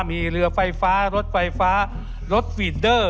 มีเรือไฟฟ้ารถไฟฟ้ารถฟีดเดอร์